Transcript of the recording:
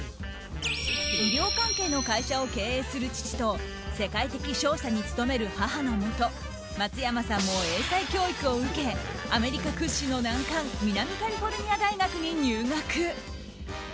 医療関係の会社を経営する父と世界的商社に勤める母のもと松山さんも英才教育を受けアメリカ屈指の難関南カリフォルニア大学に入学。